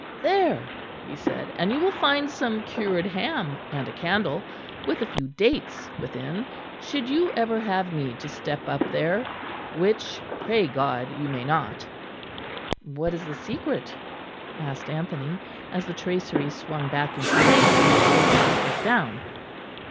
"There," he said, "and you will find some cured ham and a candle, with a few dates within, should you ever have need to step up there which, pray God, you may not." "What is the secret?" asked Anthony, as the tracery swung back into place, and his host stepped down.